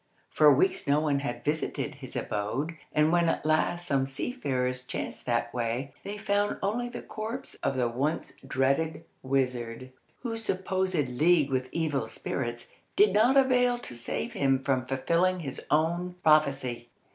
For weeks no one had visited his abode, and when at last some seafarers chanced that way they found only the corpse of the once dreaded wizard, whose supposed league with evil spirits did not avail to save him from fulfilling his own prophecy.